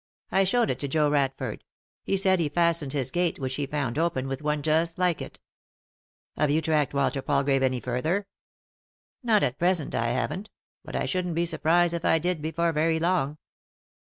I showed it to Joe Radford; he said he fastened his gate, which he found open, with one just like it" " Have you tracked Walter Palgrave any further ?" "Not at present I haven't, but I shouldn't be surprised if I did before very long."